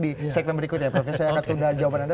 di segmen berikut ya prof saya akan tunggu jawaban anda